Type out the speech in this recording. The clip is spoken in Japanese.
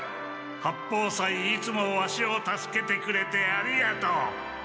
八方斎いつもワシを助けてくれてありがとう！」。